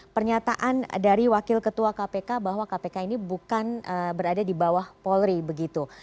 pernyataan dari wakil ketua kpk bahwa kpk ini bukan berada di bawah polri begitu